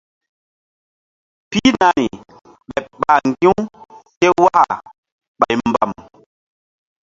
Pihnari ɓeɓ ɓah ŋgi̧-u ké waka ɓay mbam.